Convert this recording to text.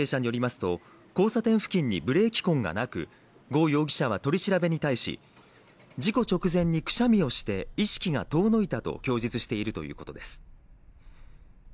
捜査関係者によりますと、交差点付近にブレーキ痕がなく、呉容疑者は取り調べに対し、事故直前にくしゃみをして、意識が遠のいたと供述しているということです